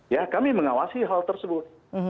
ya kami mengawasi hal tersebut